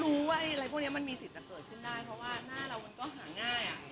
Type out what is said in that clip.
รู้ว่าอะไรพวกนี้มันมีสิทธิ์จะเกิดขึ้นได้เพราะว่าหน้าเรามันก็หาง่าย